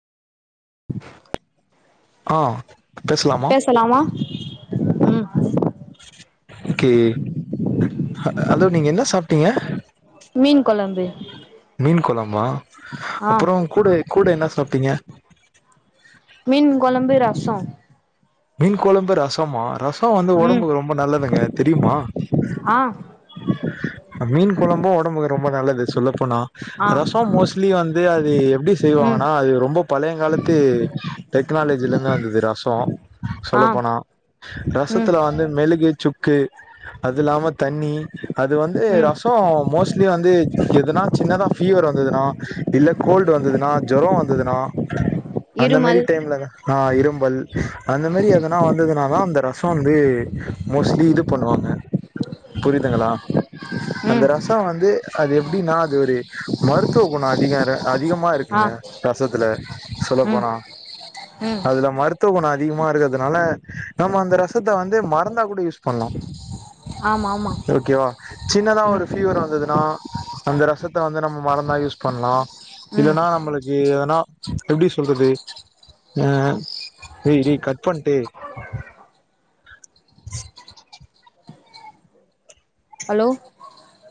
ஆ பேசலாமா பேசலாமா ம் நாளைக்கி ஹலோ நீங்க என்ன சாப்ட்டீங்க மீன்கொழம்பு மீன்கொழம்பா அப்பறோ கூட கூட என்ன சாப்டிங்க மீன் கொழம்பு ரசோ மீன் கொழம்பு ரசமா ரசோ வந்து ம் ஒடம்புக்கு ரொம்ப நல்லதுங்க தெரியுமா ஆ மீன் கொழம்பு ஒடம்புக்கு ரொம்ப நல்லது சொல்லப்போனா ஆ ரசோ மோஸ்லி வந்து அது எப் டி ம் செய்வாங்கன்னா அது ரொம்ப பழையங்காலத்து டெக்னாலஜில இந்து வந்தது ரசோ ஆ சொல்ல போனா ம் ரசத்துல வந்து மெழுகு சுக்கு அது இல்லாம தண்ணி அது வந்து ம் ரசோ ஓ மோஸ்லி வந்து எதனா சின்னதா ஃபீவர் வந்துதுனா இல்ல கோல்டு வந்துதுன்னா ஜொரோ வந்துதுனா அந்த மாரி இருமல் டைம்லதா ஆ இரும்பல் அந்த மாரி அதெல்லா வந்ததுனாதா அந்த ரசோ வந்து மோஸ்லி இது பண்ணுவாங்க புரியுதுங்ளா அந்த ம் ரசோ வந்து அது எப்டின்னா அது ஒரு மருத்துவ குணோ அதிகாய அதிகமா ஆ இருக்குங்க ரசத்துல சொல்ல ம் போனா ம் அதுல மருத்துவ குணோ அதிகமா இருக்குறதுனால நம்ம அந்த ரசத்த வந்து மருந்தா கூட யூஸ் பண்லா ஆமா ஆமா ஓகேவா சின்னதா ஒரு ம் ஃபீவர் வந்துதுன்னா அந்த ரசத்த வந்து நம்ம மருந்தா யூஸ் பண்லா ம் இல்லன்னா நம்ளுக் இ எதனா எப்டி சொல்றது எ ஏ கட் பண்ட்டு ஹலோ